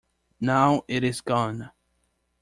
Now it is gone.